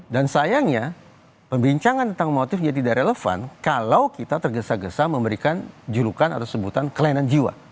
dan sayangnya pembincangan tentang motifnya tidak relevan kalau kita tergesa gesa memberikan julukan atau sebutan kelainan jiwa